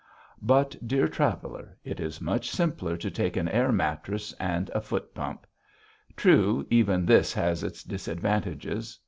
But, dear traveler, it is much simpler to take an air mattress and a foot pump. True, even this has its disadvantages.